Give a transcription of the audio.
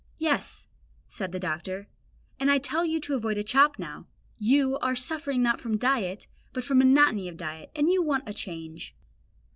"Yes," said the doctor, "and I tell you to avoid a chop now. You, are suffering not from diet, but from monotony of diet and you want a change."